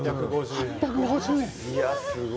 ８５０円。